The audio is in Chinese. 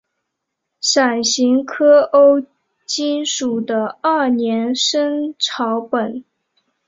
伞形科欧芹属的二年生草本。